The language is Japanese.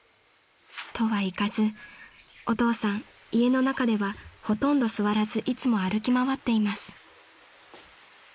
［とはいかずお父さん家の中ではほとんど座らずいつも歩き回っています］